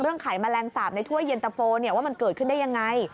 เรื่องไขมะแรงสาบในถ้วยเย็นตะโฟว่ามันเกิดขึ้นได้ยังไง